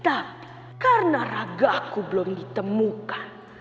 tapi karena ragahku belum ditemukan